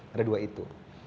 ada dua itu